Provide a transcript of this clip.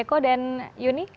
eko dan yuni